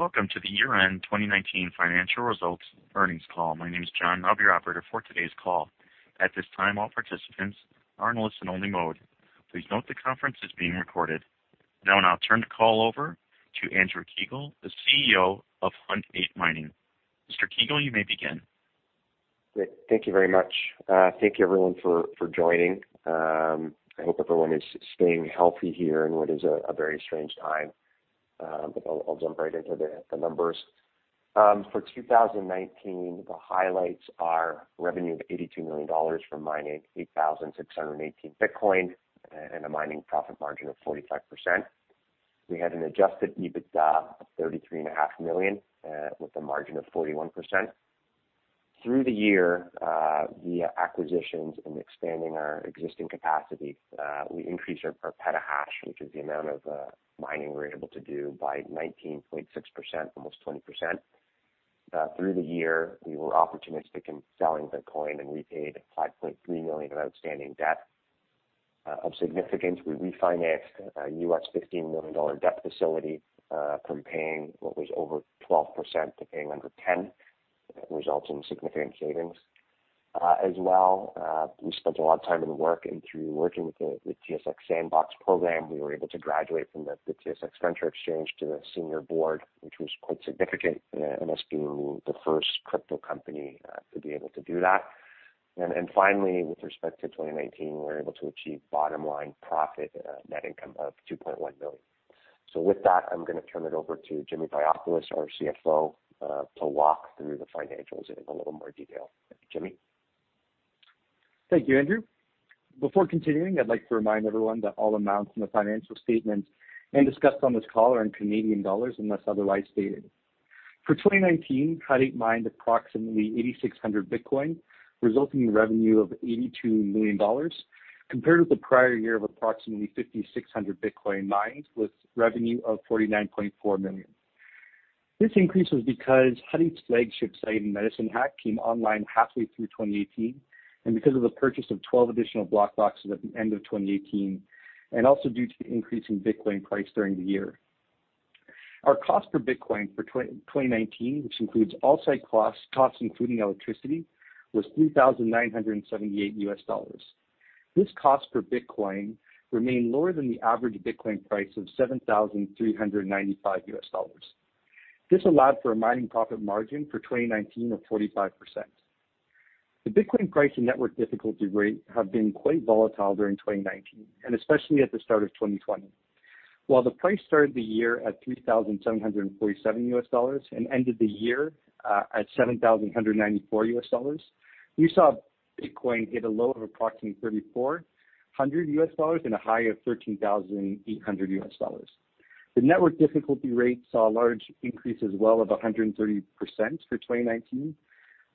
Welcome to the year-end 2019 financial results earnings call. My name is John, I'll be your operator for today's call. At this time, all participants are in listen only mode. Please note the conference is being recorded. Now I'll turn the call over to Andrew Kiguel, the CEO of Hut 8 Mining. Mr. Kiguel, you may begin. Great. Thank you very much. Thank you everyone for joining. I hope everyone is staying healthy here in what is a very strange time. I'll jump right into the numbers. For 2019, the highlights are revenue of 82 million dollars from mining 8,618 Bitcoin and a mining profit margin of 45%. We had an adjusted EBITDA of 33.5 million, with a margin of 41%. Through the year, via acquisitions and expanding our existing capacity, we increased our petahash, which is the amount of mining we're able to do, by 19.6%, almost 20%. Through the year, we were opportunistic in selling Bitcoin and repaid 5.3 million of outstanding debt. Of significance, we refinanced a $15 million debt facility, from paying what was over 12% to paying under 10%. That results in significant savings. We spent a lot of time and work through working with the TSX Sandbox program, we were able to graduate from the TSX Venture Exchange to the senior board, which was quite significant, and us being the first crypto company to be able to do that. Finally, with respect to 2019, we were able to achieve bottom-line profit net income of 2.1 million. With that, I'm going to turn it over to Jimmy Vaiopoulos, our CFO, to walk through the financials in a little more detail. Jimmy? Thank you, Andrew. Before continuing, I'd like to remind everyone that all amounts in the financial statements and discussed on this call are in Canadian dollars, unless otherwise stated. For 2019, Hut 8 mined approximately 8,600 Bitcoin, resulting in revenue of 82 million dollars, compared with the prior year of approximately 5,600 Bitcoin mined with revenue of 49.4 million. This increase was because Hut 8's flagship site in Medicine Hat came online halfway through 2018, because of the purchase of 12 additional BlockBox at the end of 2018, also due to the increase in Bitcoin price during the year. Our cost per Bitcoin for 2019, which includes all site costs, including electricity, was $3,978. This cost per Bitcoin remained lower than the average Bitcoin price of $7,395. This allowed for a mining profit margin for 2019 of 45%. The Bitcoin price and network difficulty rate have been quite volatile during 2019, and especially at the start of 2020. While the price started the year at $3,747 and ended the year at $7,194, we saw Bitcoin hit a low of approximately $3,400 and a high of $13,800. The network difficulty rate saw a large increase as well of 130% for 2019.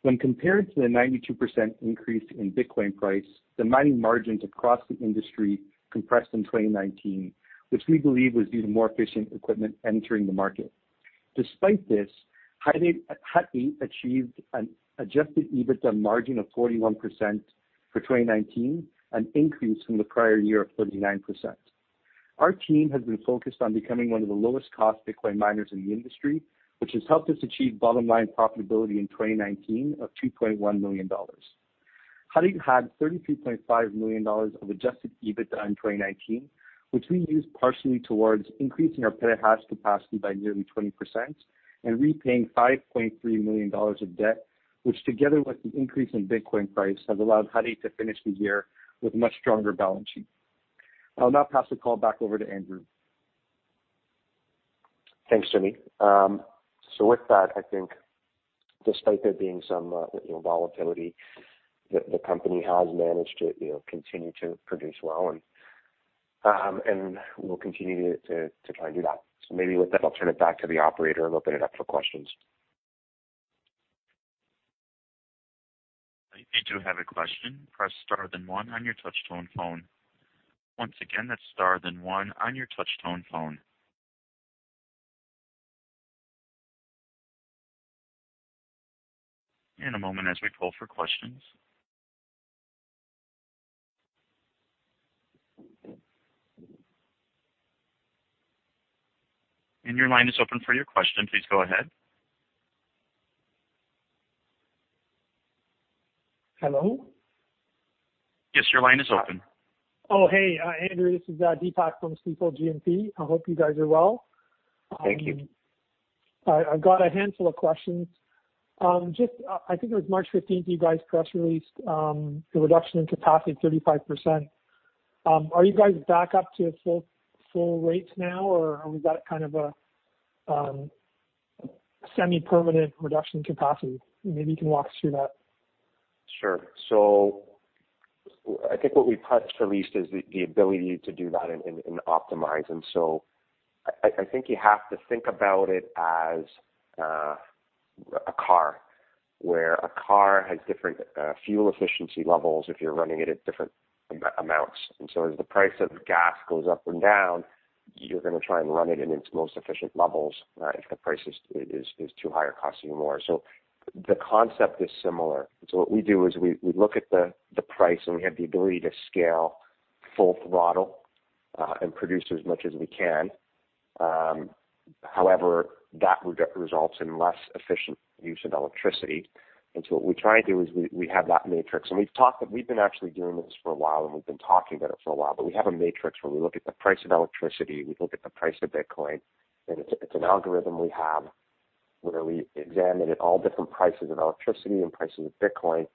When compared to the 92% increase in Bitcoin price, the mining margins across the industry compressed in 2019, which we believe was due to more efficient equipment entering the market. Despite this, Hut 8 achieved an adjusted EBITDA margin of 41% for 2019, an increase from the prior year of 39%. Our team has been focused on becoming one of the lowest cost Bitcoin miners in the industry, which has helped us achieve bottom-line profitability in 2019 of 2.1 million dollars. Hut 8 had 33.5 million dollars of adjusted EBITDA in 2019, which we used partially towards increasing our petahash capacity by nearly 20% and repaying 5.3 million dollars of debt, which together with the increase in Bitcoin price, has allowed Hut 8 to finish the year with a much stronger balance sheet. I'll now pass the call back over to Andrew. Thanks, Jimmy. With that, I think despite there being some volatility, the company has managed to continue to produce well and will continue to try and do that. Maybe with that, I'll turn it back to the operator and open it up for questions. If you do have a question, press star then one on your touch-tone phone. Once again, that's star then one on your touch-tone phone. A moment as we poll for questions. Your line is open for your question. Please go ahead. Hello? Yes, your line is open. Oh, hey, Andrew, this is Deepak from Stifel GMP. I hope you guys are well. Thank you. I've got a handful of questions. I think it was March 15th you guys press released the reduction in capacity of 35%. Are you guys back up to full rates now or are we at a semi-permanent reduction capacity? Maybe you can walk us through that. Sure. I think what we press-released is the ability to do that and optimize them. I think you have to think about it as a car, where a car has different fuel efficiency levels if you're running it at different amounts. As the price of gas goes up and down, you're going to try and run it in its most efficient levels if the price is too high or costing you more. The concept is similar. What we do is we look at the price, and we have the ability to scale full throttle and produce as much as we can. However, that results in less efficient use of electricity. What we try to do is we have that matrix, and we've been actually doing this for a while, and we've been talking about it for a while, but we have a matrix where we look at the price of electricity, we look at the price of Bitcoin, and it's an algorithm we have where we examine at all different prices of electricity and prices of Bitcoin,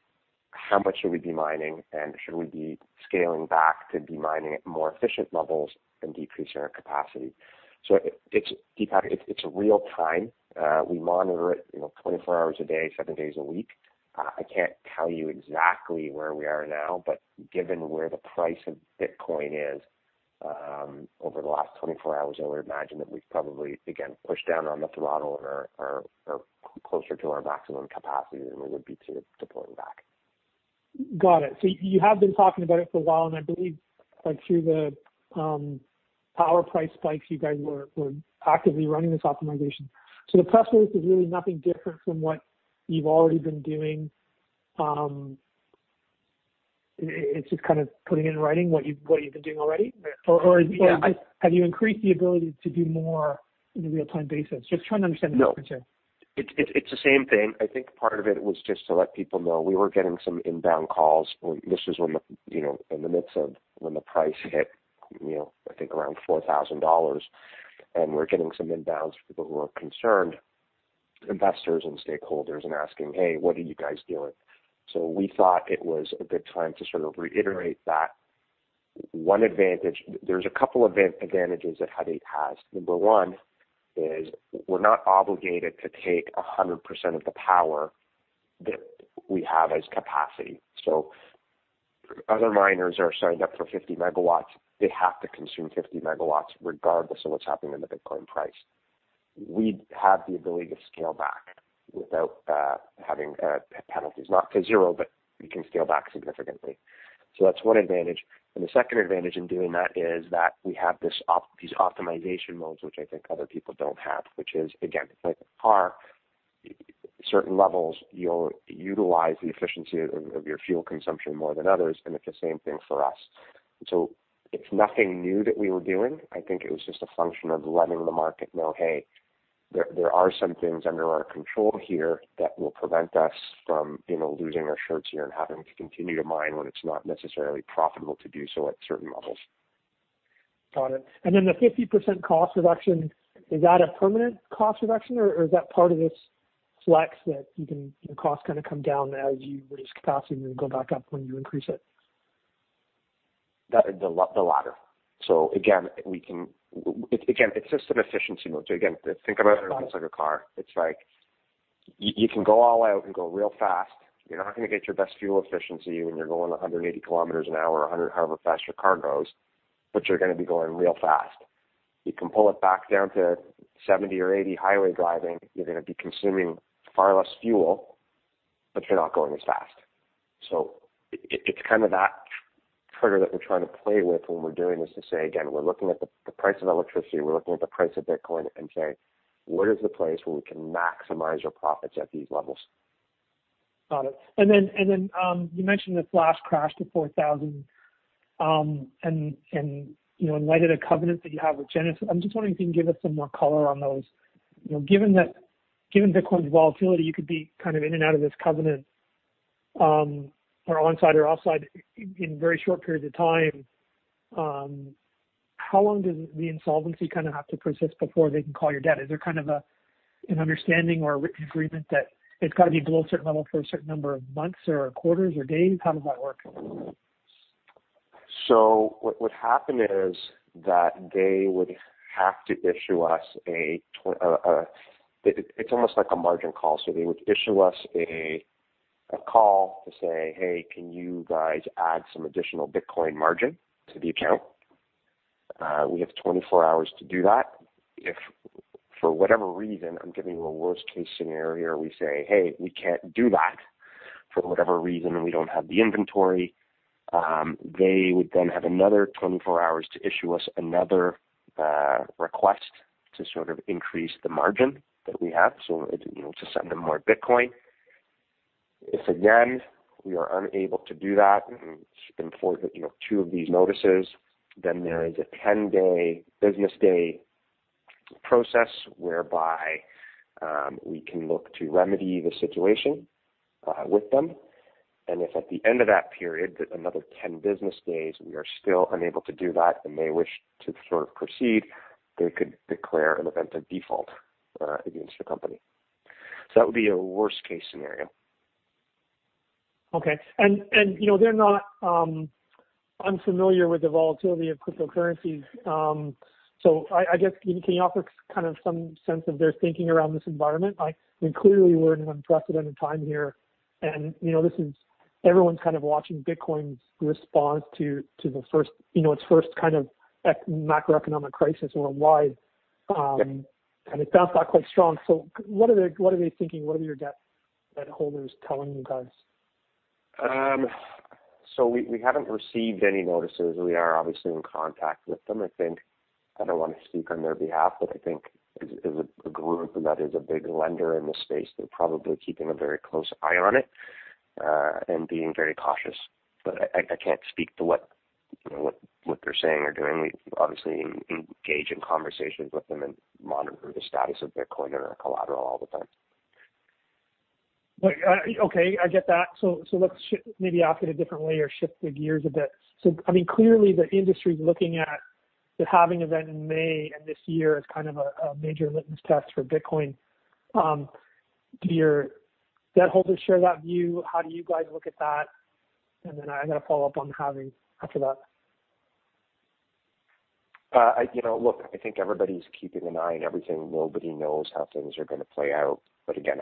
how much should we be mining, and should we be scaling back to be mining at more efficient levels and decreasing our capacity. Deepak, it's real time. We monitor it 24 hours a day, seven days a week. I can't tell you exactly where we are now, but given where the price of Bitcoin is over the last 24 hours, I would imagine that we've probably, again, pushed down on the throttle and are closer to our maximum capacity than we would be to pulling back. Got it. You have been talking about it for a while, and I believe through the power price spikes, you guys were actively running this optimization. The press release is really nothing different from what you've already been doing. It's just kind of putting in writing what you've been doing already. Yeah. Have you increased the ability to do more in a real-time basis? Just trying to understand the difference here. No. It's the same thing. I think part of it was just to let people know we were getting some inbound calls. This is in the midst of when the price hit, I think around $4,000. We're getting some inbounds from people who are concerned, investors and stakeholders, and asking, "Hey, what are you guys doing?" We thought it was a good time to sort of reiterate that. There's a couple of advantages that Hut 8 has. Number one is we're not obligated to take 100% of the power that we have as capacity. Other miners are signed up for 50 MW. They have to consume 50 MW regardless of what's happening in the Bitcoin price. We have the ability to scale back without having penalties, not to zero, but we can scale back significantly. That's one advantage. The second advantage in doing that is that we have these optimization modes, which I think other people don't have, which is, again, like a car, certain levels, you'll utilize the efficiency of your fuel consumption more than others, and it's the same thing for us. It's nothing new that we were doing. I think it was just a function of letting the market know, "Hey, there are some things under our control here that will prevent us from losing our shirts here and having to continue to mine when it's not necessarily profitable to do so at certain levels. Got it. Then the 50% cost reduction, is that a permanent cost reduction, or is that part of this flex that your costs kind of come down as you reduce capacity and then go back up when you increase it? The latter. Again, it's just an efficiency mode. Again, think about it almost like a car. It's like you can go all out, you can go real fast. You're not going to get your best fuel efficiency when you're going 180 kilometers an hour or however fast your car goes, but you're going to be going real fast. You can pull it back down to 70 or 80 highway driving. You're going to be consuming far less fuel, but you're not going as fast. It's kind of that trigger that we're trying to play with when we're doing this to say, again, we're looking at the price of electricity, we're looking at the price of Bitcoin and say, "Where is the place where we can maximize your profits at these levels? Got it. Then you mentioned this last crash to 4,000, and in light of the covenant that you have with Genesis, I'm just wondering if you can give us some more color on those. Given Bitcoin's volatility, you could be kind of in and out of this covenant or onside or offside in very short periods of time. How long does the insolvency kind of have to persist before they can call your debt? Is there kind of an understanding or a written agreement that it's got to be below a certain level for a certain number of months or quarters or days? How does that work? What would happen is that they would have to issue us, it's almost like a margin call. They would issue us a call to say, "Hey, can you guys add some additional Bitcoin margin to the account?" We have 24 hours to do that. If for whatever reason, I'm giving you a worst-case scenario, we say, "Hey, we can't do that for whatever reason, and we don't have the inventory." They would then have another 24 hours to issue us another request to sort of increase the margin that we have, so to send them more Bitcoin. If again, we are unable to do that in two of these notices, there is a 10-day business day process whereby we can look to remedy the situation with them. If at the end of that period, another 10 business days, we are still unable to do that and they wish to sort of proceed, they could declare an event of default against the company. That would be a worst-case scenario. Okay. They're not unfamiliar with the volatility of cryptocurrencies. I guess, can you offer kind of some sense of their thinking around this environment? Clearly, we're in an unprecedented time here, and everyone's kind of watching Bitcoin's response to its first kind of macroeconomic crisis worldwide. Yeah. It bounced back quite strong. What are they thinking? What are your debt holders telling you guys? We haven't received any notices. We are obviously in contact with them. I don't want to speak on their behalf, but I think as a group, and that is a big lender in the space, they're probably keeping a very close eye on it and being very cautious. I can't speak to what they're saying or doing. We obviously engage in conversations with them and monitor the status of Bitcoin and our collateral all the time. Okay, I get that. Let's maybe ask it a different way or shift the gears a bit. Clearly, the industry's looking at the halving event in May, and this year is kind of a major litmus test for Bitcoin. Do your debt holders share that view? How do you guys look at that? Then I'm going to follow up on halving after that. Look, I think everybody's keeping an eye on everything. Nobody knows how things are going to play out. Again,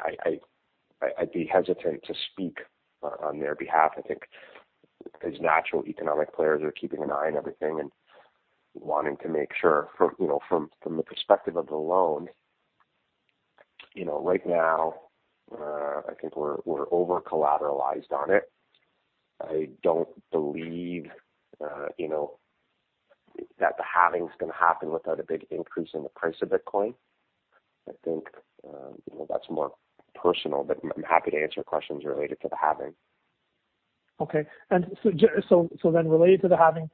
I'd be hesitant to speak on their behalf. I think as natural economic players are keeping an eye on everything and wanting to make sure. From the perspective of the loan, right now, I think we're over-collateralized on it. I don't believe that the halving is going to happen without a big increase in the price of Bitcoin. I think that's more personal, but I'm happy to answer questions related to the halving. Okay. Related to the halving,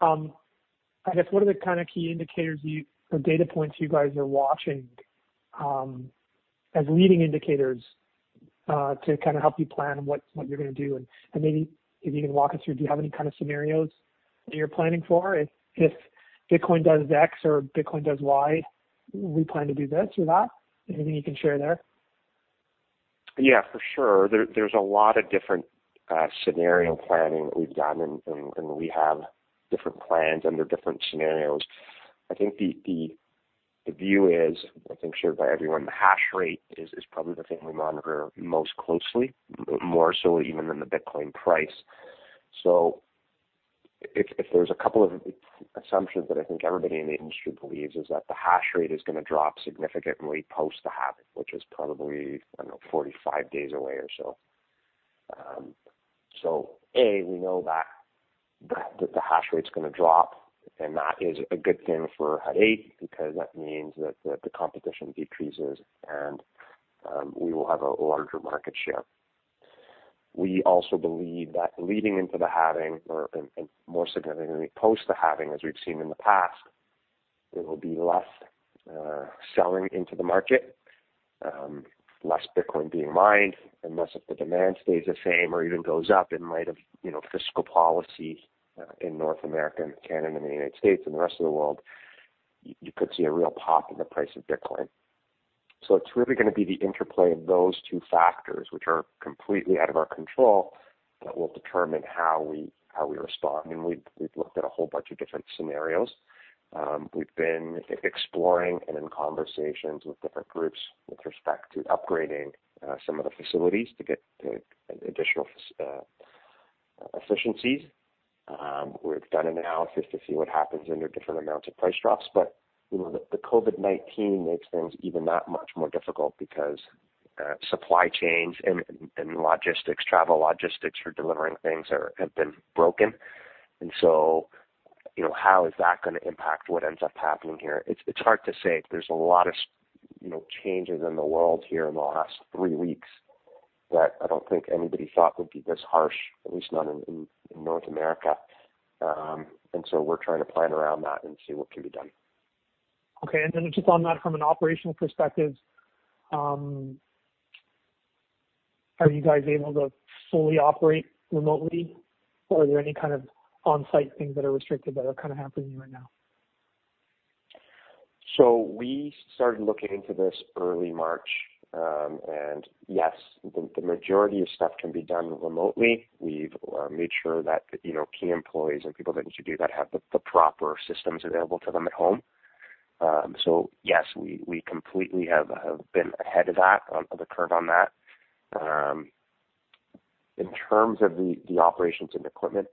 I guess what are the kind of key indicators or data points you guys are watching as leading indicators to kind of help you plan what you're going to do? Maybe if you can walk us through, do you have any kind of scenarios that you're planning for? If Bitcoin does X or Bitcoin does Y, we plan to do this or that? Anything you can share there? Yeah, for sure. There's a lot of different scenario planning that we've done, and we have different plans under different scenarios. I think the view is, I think shared by everyone, the hash rate is probably the thing we monitor most closely, more so even than the Bitcoin price. If there's a couple of assumptions that I think everybody in the industry believes is that the hash rate is going to drop significantly post the halving, which is probably, I don't know, 45 days away or so. A, we know that the hash rate's going to drop, and that is a good thing for Hut 8 because that means that the competition decreases, and we will have a larger market share. We also believe that leading into the halving or more significantly post the halving, as we've seen in the past, there will be less selling into the market, less Bitcoin being mined, unless if the demand stays the same or even goes up in light of fiscal policy in North America and Canada and the United States and the rest of the world, you could see a real pop in the price of Bitcoin. It's really going to be the interplay of those two factors, which are completely out of our control, that will determine how we respond. We've looked at a whole bunch of different scenarios. We've been exploring and in conversations with different groups with respect to upgrading some of the facilities to get additional efficiencies. We've done an analysis to see what happens under different amounts of price drops. The COVID-19 makes things even that much more difficult because supply chains and logistics, travel logistics for delivering things have been broken. How is that going to impact what ends up happening here? It's hard to say. There's a lot of changes in the world here in the last three weeks that I don't think anybody thought would be this harsh, at least not in North America. We're trying to plan around that and see what can be done. Okay. Just on that from an operational perspective, are you guys able to fully operate remotely, or are there any kind of on-site things that are restricted that are kind of happening right now? We started looking into this early March. Yes, the majority of stuff can be done remotely. We've made sure that key employees and people that need to do that have the proper systems available to them at home. Yes, we completely have been ahead of that, of the curve on that. In terms of the operations and equipment,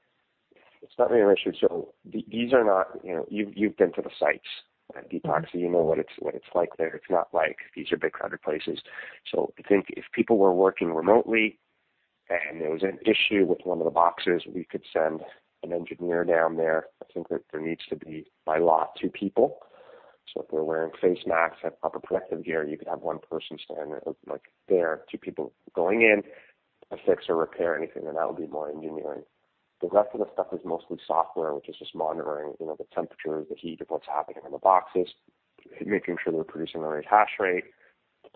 it's not really an issue. These are not You've been to the sites at Drumheller, so you know what it's like there. It's not like these are big, crowded places. I think if people were working remotely and there was an issue with one of the boxes, we could send an engineer down there. I think that there needs to be, by law, two people. If they're wearing face masks and proper protective gear, you could have one person stand there, two people going in, affix or repair anything, and that would be more engineering. The rest of the stuff is mostly software, which is just monitoring the temperatures, the heat of what's happening in the boxes, making sure they're producing the right hash rate,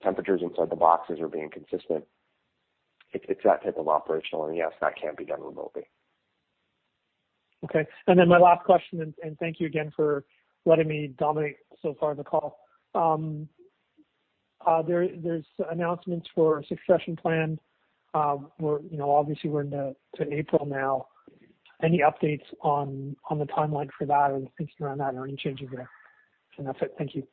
temperatures inside the boxes are being consistent. It's that type of operational, and yes, that can be done remotely. Okay. My last question, thank you again for letting me dominate so far the call. There's announcements for succession plan. Obviously, we're into April now. Any updates on the timeline for that or the thinking around that or any changes there? That's it. Thank you.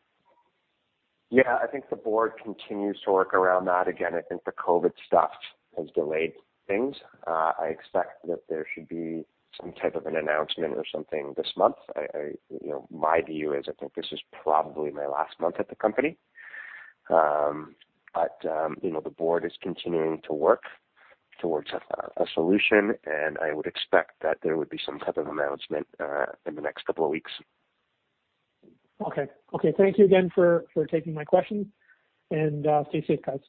Yeah. I think the board continues to work around that. Again, I think the COVID stuff has delayed things. I expect that there should be some type of an announcement or something this month. My view is I think this is probably my last month at the company. The board is continuing to work towards a solution, and I would expect that there would be some type of announcement in the next couple of weeks. Okay. Thank you again for taking my questions, and stay safe, guys.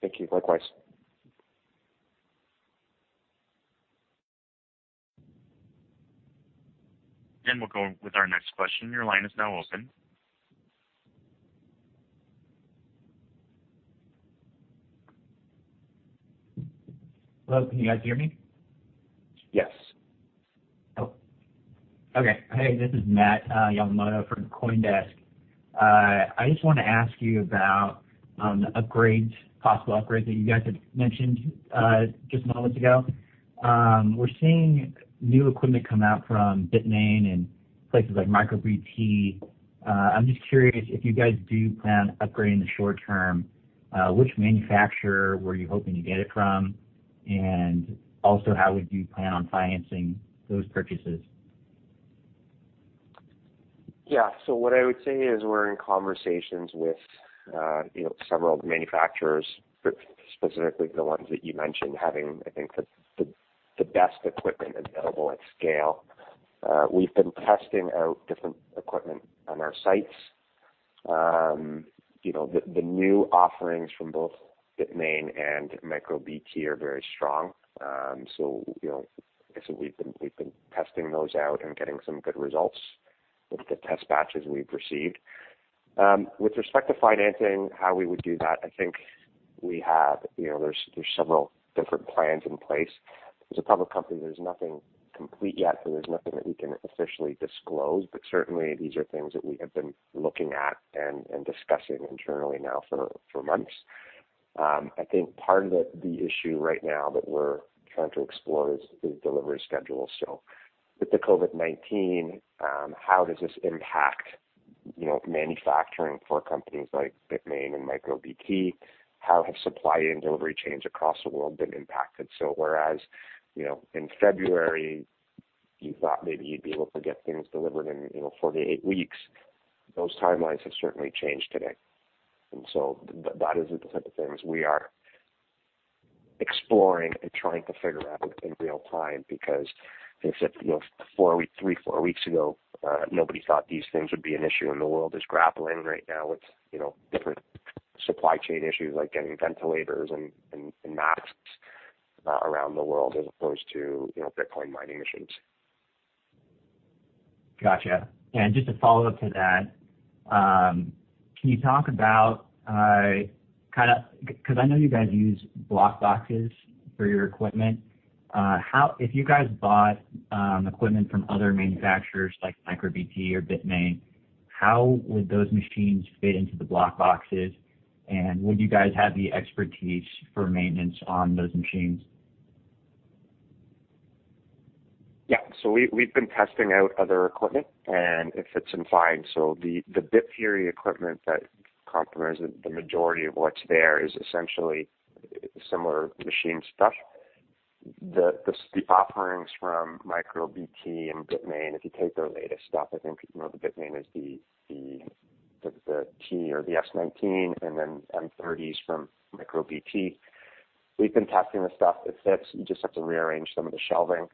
Thank you. Likewise. We'll go with our next question. Your line is now open. Hello, can you guys hear me? Yes. Oh, okay. Hey, this is Matt Yamamoto from CoinDesk. I just want to ask you about possible upgrades that you guys had mentioned just moments ago. We're seeing new equipment come out from Bitmain and places like MicroBT. I'm just curious if you guys do plan on upgrading the short term, which manufacturer were you hoping to get it from? Also, how would you plan on financing those purchases? What I would say is we're in conversations with several manufacturers, specifically the ones that you mentioned having, I think, the best equipment available at scale. We've been testing out different equipment on our sites. The new offerings from both Bitmain and MicroBT are very strong. I guess we've been testing those out and getting some good results with the test batches we've received. With respect to financing, how we would do that. There's several different plans in place. As a public company, there's nothing complete yet, so there's nothing that we can officially disclose. Certainly, these are things that we have been looking at and discussing internally now for months. I think part of the issue right now that we're trying to explore is delivery schedules. With the COVID-19, how does this impact manufacturing for companies like Bitmain and MicroBT? How have supply and delivery chains across the world been impacted? Whereas, in February, you thought maybe you'd be able to get things delivered in four to eight weeks, those timelines have certainly changed today. That is the type of things we are exploring and trying to figure out in real time, because I guess three, four weeks ago, nobody thought these things would be an issue, and the world is grappling right now with different supply chain issues like getting ventilators and masks around the world as opposed to Bitcoin mining machines. Got you. Just a follow-up to that, I know you guys use BlockBoxes for your equipment. If you guys bought equipment from other manufacturers like MicroBT or Bitmain, how would those machines fit into the BlockBoxes, and would you guys have the expertise for maintenance on those machines? Yeah. We've been testing out other equipment, and it fits in fine. The Bitfury equipment that comprises the majority of what's there is essentially similar machine stuff. The offerings from MicroBT and Bitmain, if you take their latest stuff, I think the Bitmain is the T or the S19, and then M30S from MicroBT. We've been testing the stuff. It fits. You just have to rearrange some of the shelving.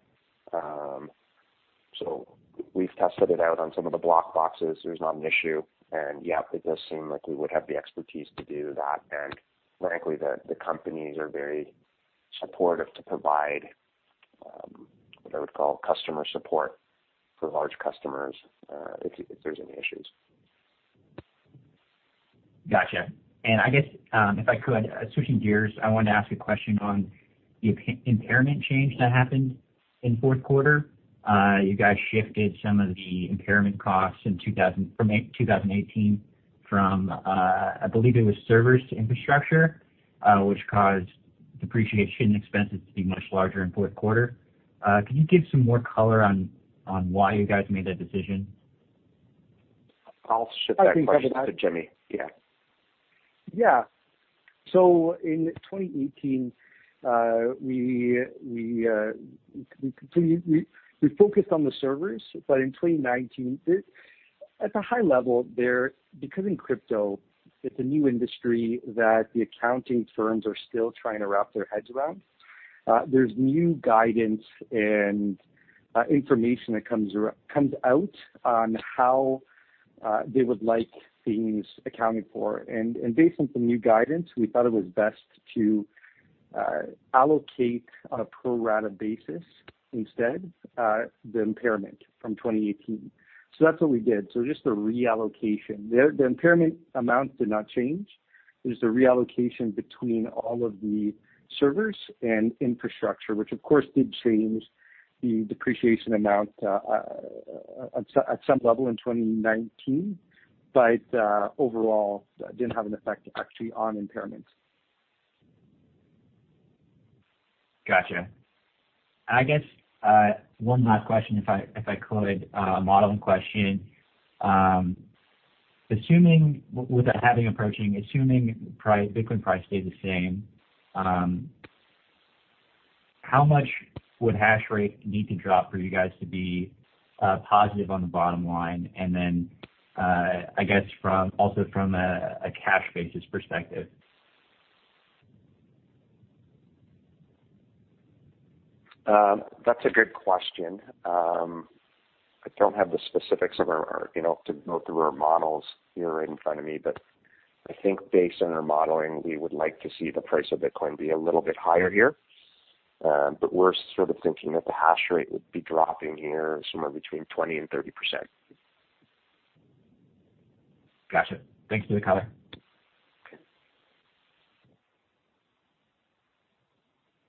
We've tested it out on some of the BlockBoxes. There's not an issue, and yep, it does seem like we would have the expertise to do that. Frankly, the companies are very supportive to provide what I would call customer support for large customers if there's any issues. Got you. I guess, if I could, switching gears, I wanted to ask a question on the impairment change that happened in fourth quarter. You guys shifted some of the impairment costs from 2018 from, I believe it was servers to infrastructure, which caused depreciation expenses to be much larger in fourth quarter. Can you give some more color on why you guys made that decision? I'll ship that question to Jimmy. Yeah. In 2018, we focused on the servers. In 2019, at a high level there, because in crypto, it's a new industry that the accounting firms are still trying to wrap their heads around. There is new guidance and information that comes out on how they would like things accounted for. Based on some new guidance, we thought it was best to allocate on a pro rata basis instead the impairment from 2018. That is what we did. Just a reallocation. The impairment amount did not change. It was the reallocation between all of the servers and infrastructure, which of course, did change the depreciation amount at some level in 2019. Overall, didn't have an effect actually on impairment. Got you. I guess one last question, if I could, a modeling question. With a halving approaching, assuming Bitcoin price stays the same, how much would hash rate need to drop for you guys to be positive on the bottom line? Then, I guess also from a cash basis perspective. That's a good question. I don't have the specifics to go through our models here right in front of me, but I think based on our modeling, we would like to see the price of Bitcoin be a little bit higher here. We're sort of thinking that the hash rate would be dropping here somewhere between 20% and 30%.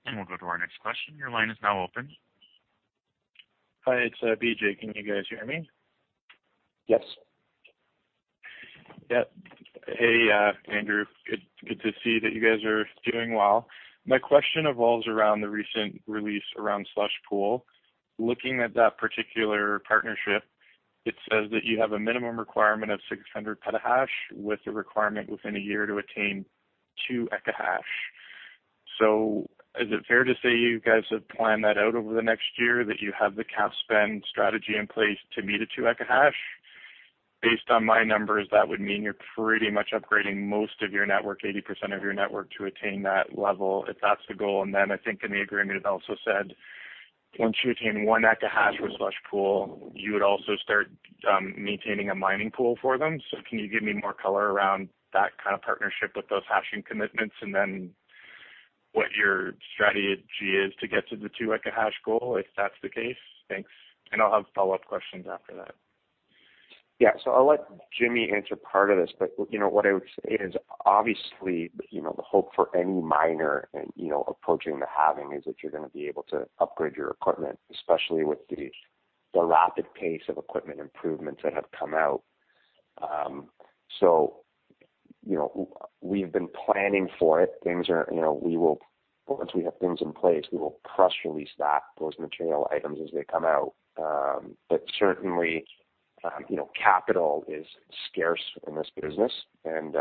Got you. Thanks for the color. Okay. We'll go to our next question. Your line is now open. Hi, it's BJ. Can you guys hear me? Yes. Yep. Hey, Andrew. Good to see that you guys are doing well. My question revolves around the recent release around Slush Pool. Looking at that particular partnership, it says that you have a minimum requirement of 600 petahash with a requirement within a year to attain two exahash. Is it fair to say you guys have planned that out over the next year, that you have the cap spend strategy in place to meet a two exahash? Based on my numbers, that would mean you're pretty much upgrading most of your network, 80% of your network, to attain that level, if that's the goal. I think in the agreement, it also said once you attain one exahash with Slush Pool, you would also start maintaining a mining pool for them. Can you give me more color around that kind of partnership with those hashing commitments, and then what your strategy is to get to the two exahash goal, if that's the case? Thanks. I'll have follow-up questions after that. Yeah. I'll let Jimmy answer part of this, but what I would say is, obviously, the hope for any miner approaching the halving is that you're going to be able to upgrade your equipment, especially with the rapid pace of equipment improvements that have come out. We've been planning for it. Once we have things in place, we will press release that, those material items as they come out. Certainly, capital is scarce in this business and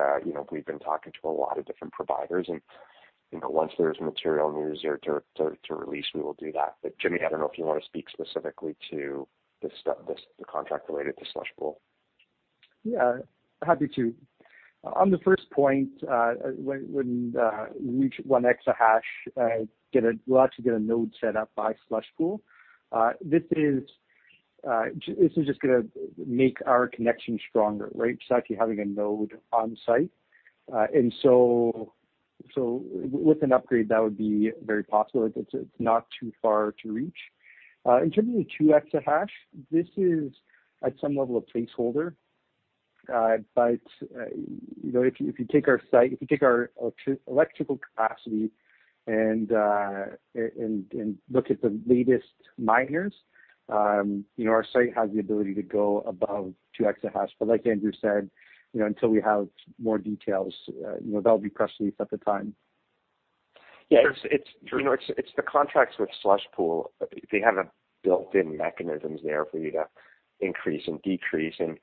we've been talking to a lot of different providers, and once there's material news there to release, we will do that. Jimmy, I don't know if you want to speak specifically to the contract related to Slush Pool. Yeah, happy to. On the first point, when we reach one exahash, we'll actually get a node set up by Slush Pool. This is just going to make our connection stronger, right? It's like you're having a node on site. With an upgrade, that would be very possible. It's not too far to reach. In terms of the two exahash, this is at some level a placeholder. If you take our electrical capacity and look at the latest miners our site has the ability to go above two exahash. Like Andrew said, until we have more details, there'll be press release at the time. Yeah. It's the contracts with Slush Pool. They have built-in mechanisms there for you to increase and decrease, and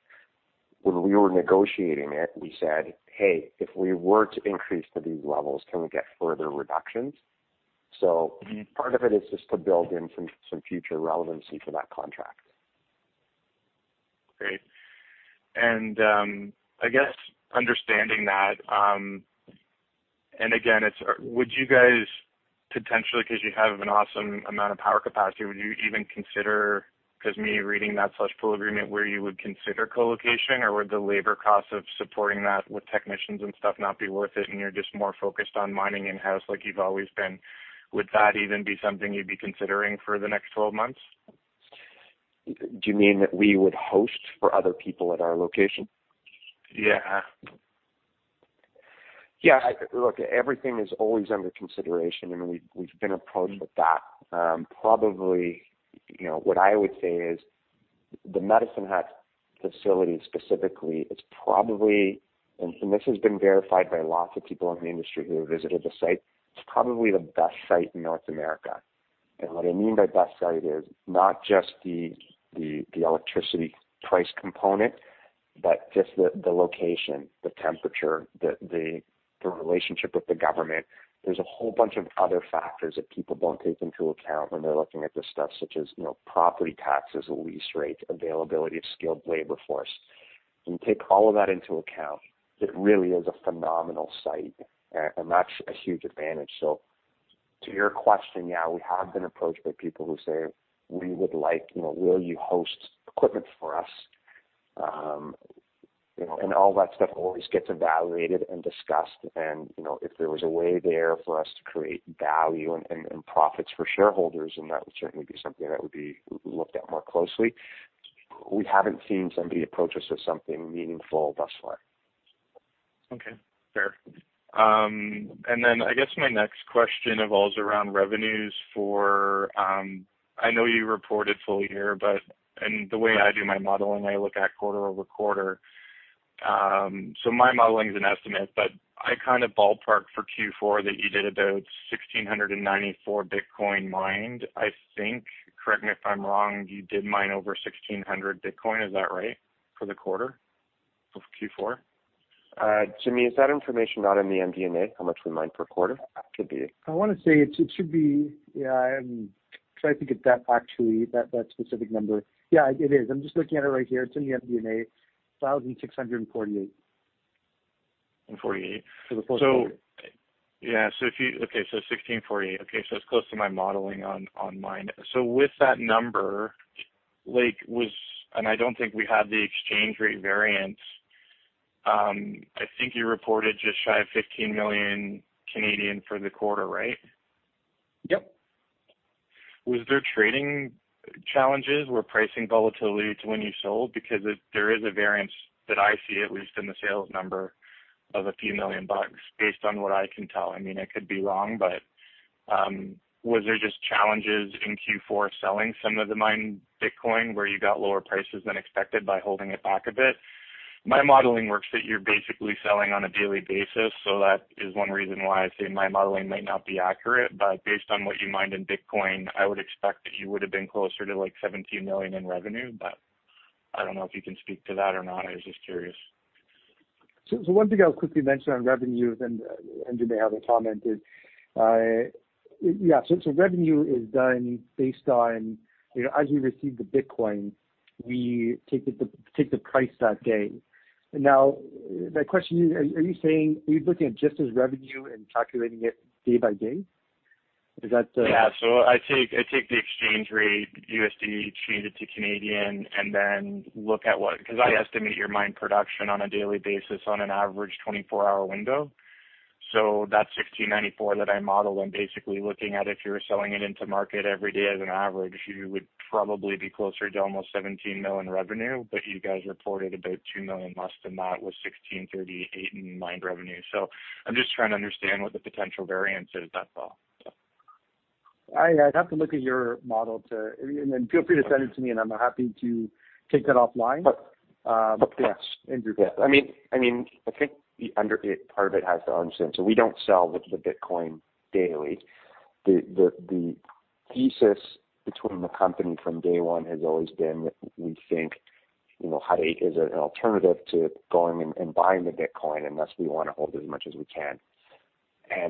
when we were negotiating it, we said, "Hey, if we were to increase to these levels, can we get further reductions?" Part of it is just to build in some future relevancy for that contract. Great. I guess understanding that, and again, would you guys potentially, because you have an awesome amount of power capacity, would you even consider, because me reading that Slush Pool agreement where you would consider co-location or would the labor costs of supporting that with technicians and stuff not be worth it and you're just more focused on mining in-house like you've always been, would that even be something you'd be considering for the next 12 months? Do you mean that we would host for other people at our location? Yeah. Yeah. Look, everything is always under consideration, and we've been approached with that. Probably, what I would say is the Medicine Hat facility specifically is probably, and this has been verified by lots of people in the industry who have visited the site, it's probably the best site in North America. What I mean by best site is not just the electricity price component, but just the location, the temperature, the relationship with the government. There's a whole bunch of other factors that people don't take into account when they're looking at this stuff, such as property taxes, lease rate, availability of skilled labor force. When you take all of that into account, it really is a phenomenal site, and that's a huge advantage. To your question, yeah, we have been approached by people who say, "Will you host equipment for us?" All that stuff always gets evaluated and discussed, and if there was a way there for us to create value and profits for shareholders, then that would certainly be something that would be looked at more closely. We haven't seen somebody approach us with something meaningful thus far. Okay. Fair. I guess my next question revolves around revenues for-- I know you reported full year, but the way I do my modeling, I look at quarter-over-quarter. My modeling is an estimate, but I kind of ballparked for Q4 that you did about 1,694 Bitcoin mined, I think. Correct me if I'm wrong. You did mine over 1,600 Bitcoin. Is that right for the quarter of Q4? Jimmy, is that information not in the MD&A, how much we mined per quarter? Could be. I want to say it should be Yeah. I'm trying to get that actually, that specific number. Yeah, it is. I'm just looking at it right here. It's in the MD&A, 1,648. 48. For the full quarter. Yeah. Okay, 1,648. Okay, it's close to my modeling on mine. With that number, like was, and I don't think we had the exchange rate variance. I think you reported just shy of 15 million for the quarter, right? Yep. Was there trading challenges? Were pricing volatility to when you sold? There is a variance that I see, at least in the sales number, of a few million bucks, based on what I can tell. I could be wrong, but was there just challenges in Q4 selling some of the mined Bitcoin where you got lower prices than expected by holding it back a bit? My modeling works that you're basically selling on a daily basis, so that is one reason why I say my modeling might not be accurate. Based on what you mined in Bitcoin, I would expect that you would've been closer to 17 million in revenue. I don't know if you can speak to that or not. I was just curious. One thing I'll quickly mention on revenue, then Andrew may have a comment is, revenue is done based on as we receive the Bitcoin, we take the price that day. My question to you, are you saying, are you looking at just as revenue and calculating it day by day? Is that? Yeah. I take the exchange rate, USD, change it to Canadian, and then look at what Because I estimate your mine production on a daily basis on an average 24-hour window. That 1,694 that I modeled, I'm basically looking at if you were selling it into market every day as an average, you would probably be closer to almost 17 million revenue. You guys reported about 2 million less than that, with 1,638 in mined revenue. I'm just trying to understand what the potential variance is, that's all. I'd have to look at your model. Feel free to send it to me, and I'm happy to take that offline. But- Yes, Andrew. I think part of it has to understand, we don't sell the Bitcoin daily. The thesis between the company from day one has always been that we think Hut 8 is an alternative to going and buying the Bitcoin, thus, we want to hold as much as we can.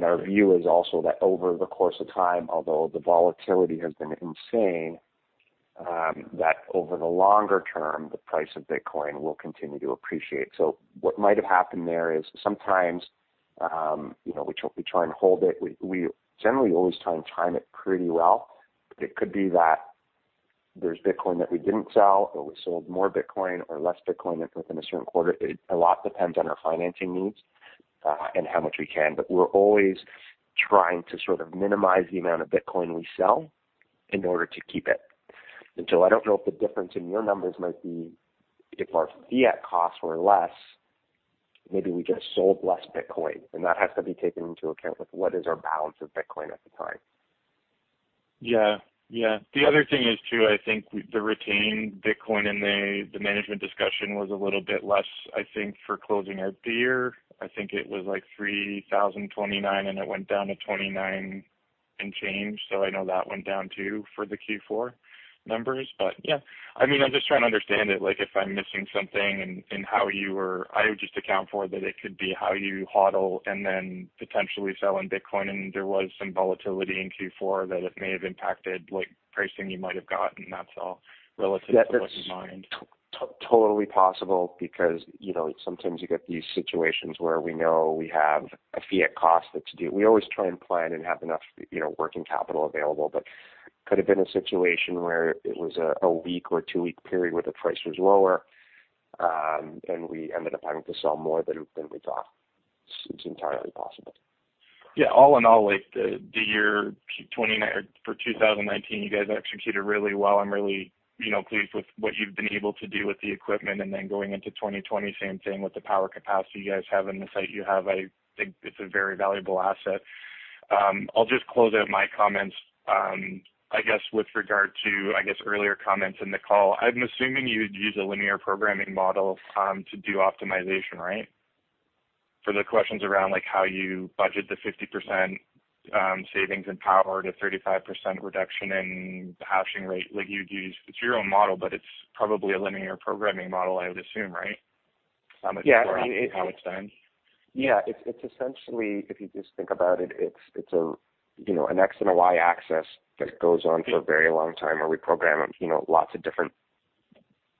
Our view is also that over the course of time, although the volatility has been insane, that over the longer term, the price of Bitcoin will continue to appreciate. What might have happened there is sometimes we try and hold it. We generally always time it pretty well. It could be that there's Bitcoin that we didn't sell, or we sold more Bitcoin or less Bitcoin within a certain quarter. A lot depends on our financing needs, how much we can. We're always trying to minimize the amount of Bitcoin we sell in order to keep it. I don't know if the difference in your numbers might be if our fiat costs were less, maybe we just sold less Bitcoin, and that has to be taken into account with what is our balance of Bitcoin at the time. The other thing is too, I think the retained Bitcoin in the management discussion was a little bit less, I think, for closing out the year. I think it was like 3,029 and it went down to 29 and change. I know that went down too for the Q4 numbers. I'm just trying to understand it, if I'm missing something in. I would just account for that it could be how you HODL and then potentially selling Bitcoin, and there was some volatility in Q4 that it may have impacted pricing you might have gotten. That's all, relative to what you mined. That's totally possible because sometimes you get these situations where we know we have a fiat cost that's due. We always try and plan and have enough working capital available. Could've been a situation where it was a week or two-week period where the price was lower, and we ended up having to sell more than we thought. It's entirely possible. Yeah. All in all, the year for 2019, you guys executed really well. I'm really pleased with what you've been able to do with the equipment. Then going into 2020, same thing with the power capacity you guys have and the site you have. I think it's a very valuable asset. I'll just close out my comments, I guess with regard to, earlier comments in the call. I'm assuming you would use a linear programming model to do optimization, right? For the questions around how you budget the 50% savings in power to 35% reduction in the hash rate. It's your own model, it's probably a linear programming model, I would assume, right? Yeah. How it's done. Yeah. It's essentially, if you just think about it's an X and a Y axis that goes on for a very long time where we program lots of different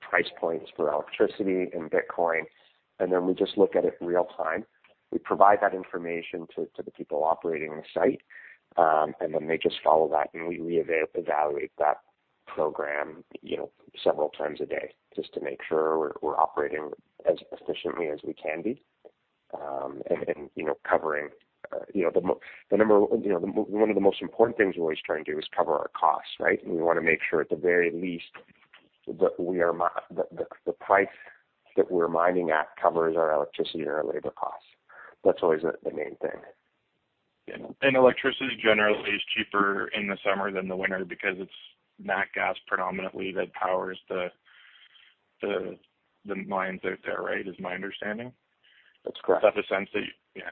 price points for electricity and Bitcoin, and then we just look at it in real time. We provide that information to the people operating the site, and then they just follow that, and we reevaluate that program several times a day just to make sure we're operating as efficiently as we can be. Covering, one of the most important things we're always trying to do is cover our costs, right? We want to make sure at the very least, that the price that we're mining at covers our electricity and our labor costs. That's always the main thing. Yeah. Electricity generally is cheaper in the summer than the winter because it's nat gas predominantly that powers the mines out there, right? Is my understanding. That's correct. Does that make sense to you?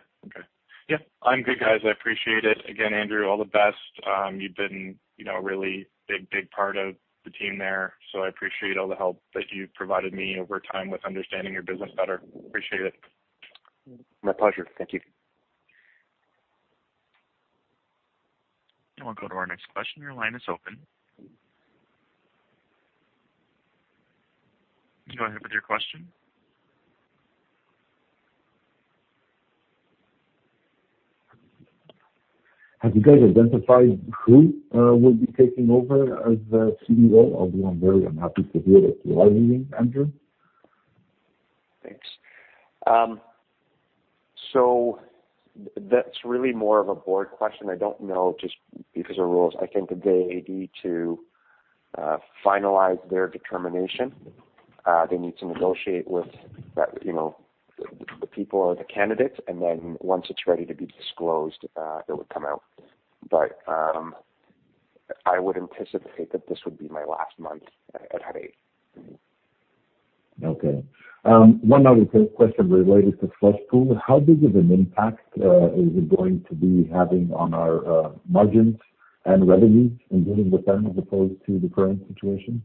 Yeah. Okay. Yeah. I'm good, guys. I appreciate it. Again, Andrew, all the best. You've been a really big part of the team there, so I appreciate all the help that you've provided me over time with understanding your business better. Appreciate it. My pleasure. Thank you. We'll go to our next question. Your line is open. Go ahead with your question. Have you guys identified who will be taking over as the CEO? Although I'm very happy to hear that you are leaving, Andrew. Thanks. That's really more of a board question. I don't know, just because of rules. I think they need to finalize their determination. They need to negotiate with the people or the candidates, once it's ready to be disclosed, it would come out. I would anticipate that this would be my last month at Hut 8. Okay. One other quick question related to Slush Pool. How big of an impact is it going to be having on our margins and revenues in getting returned as opposed to the current situation?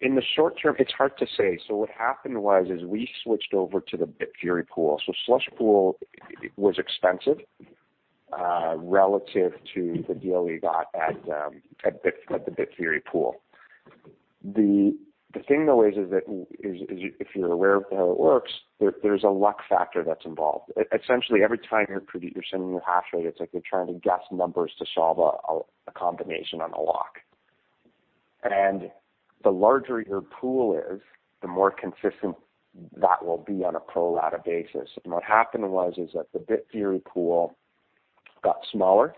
In the short term, it's hard to say. What happened was, is we switched over to the Bitfury Pool. Slush Pool was expensive relative to the deal we got at the Bitfury Pool. The thing, though, is that if you're aware of how it works, there's a luck factor that's involved. Essentially, every time you're sending your hash rate, it's like you're trying to guess numbers to solve a combination on a lock. The larger your pool is, the more consistent that will be on a pro rata basis. What happened was is that the Bitfury Pool got smaller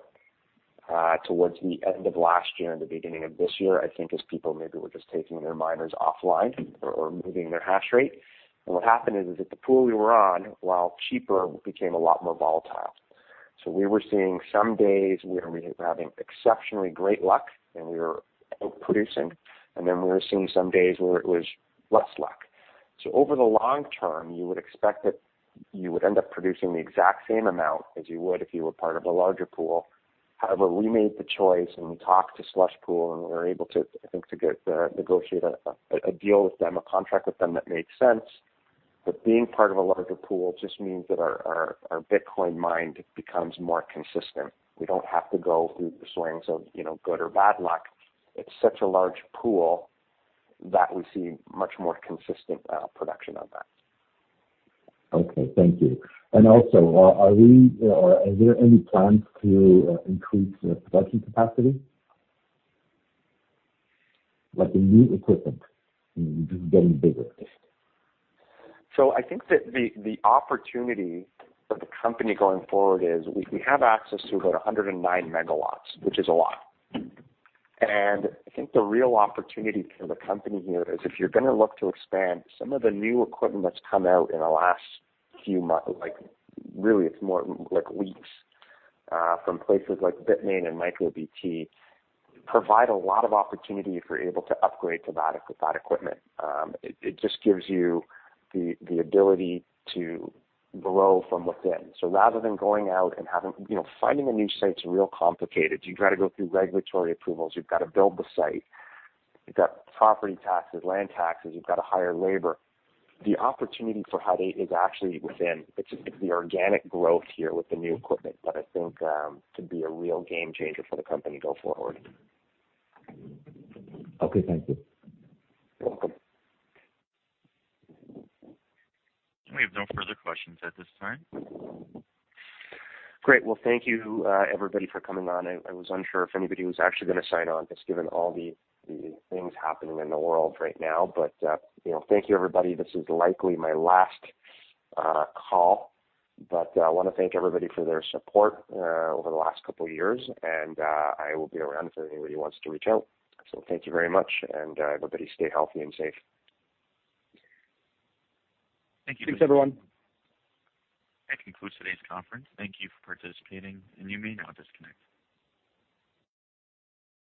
towards the end of last year and the beginning of this year, I think as people maybe were just taking their miners offline or moving their hash rate. What happened is that the pool we were on, while cheaper, became a lot more volatile. We were seeing some days where we were having exceptionally great luck and we were out-producing, and then we were seeing some days where it was less luck. Over the long term, you would expect that you would end up producing the exact same amount as you would if you were part of a larger pool. We made the choice and we talked to Slush Pool, and we were able to, I think, negotiate a deal with them, a contract with them that made sense. Being part of a larger pool just means that our Bitcoin mined becomes more consistent. We don't have to go through the swings of good or bad luck. It's such a large pool that we see much more consistent production on that. Okay. Thank you. Also, are there any plans to increase the production capacity? Like the new equipment, just getting bigger. I think that the opportunity for the company going forward is we have access to about 109 MW, which is a lot. I think the real opportunity for the company here is if you're going to look to expand some of the new equipment that's come out in the last few months, really it's more like weeks, from places like Bitmain and MicroBT, provide a lot of opportunity if you're able to upgrade to that equipment. It just gives you the ability to grow from within. Rather than going out and finding a new site's real complicated. You've got to go through regulatory approvals. You've got to build the site. You've got property taxes, land taxes. You've got to hire labor. The opportunity for Hut 8 is actually within. It's the organic growth here with the new equipment that I think could be a real game changer for the company go forward. Okay, thank you. You're welcome. We have no further questions at this time. Great. Well, thank you, everybody, for coming on. I was unsure if anybody was actually going to sign on, just given all the things happening in the world right now. Thank you, everybody. This is likely my last call, but I want to thank everybody for their support over the last couple of years, and I will be around for anybody who wants to reach out. Thank you very much, and everybody stay healthy and safe. Thank you. Thanks, everyone. That concludes today's conference. Thank you for participating, and you may now disconnect.